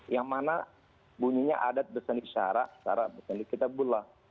yang mana bunyinya adat bersenisara bersenisara kita pula